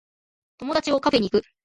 友達をカフェに行く